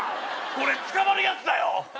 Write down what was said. これ捕まるやつだよ！